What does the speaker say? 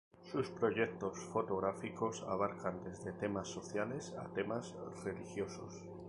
Sus proyectos fotográficos abarcan desde temas sociales, a temas religiosos.